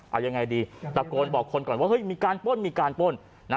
เอายังไงดีตะโกนบอกคนก่อนว่าเฮ้ยมีการป้นมีการป้น